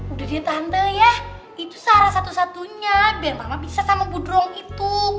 udah deh tante ya itu seharas satu satunya biar mama bisa sama tubudrong itu